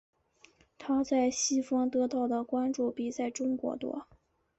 她在西方得到的关注比在中国多。